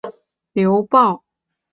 父亲左贤王刘豹。